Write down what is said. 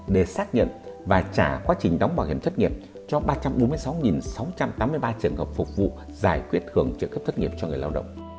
để xác nhận và trả quá trình đóng bảo hiểm thất nghiệp cho ba trăm bốn mươi sáu sáu trăm tám mươi ba trường hợp phục vụ giải quyết hưởng trợ cấp thất nghiệp cho người lao động